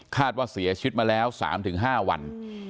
ว่าเสียชีวิตมาแล้ว๓๕วัน